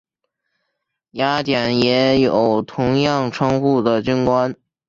雅典也有同样称呼的军官。